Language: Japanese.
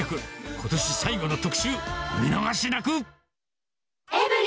ことし最後の特集、お見逃しなく。